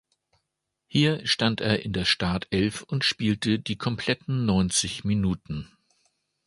Hier stand er in der Startelf und spielte die kompletten neunzig Minuten.